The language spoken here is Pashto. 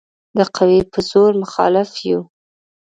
د قوې په زور مخالف یو.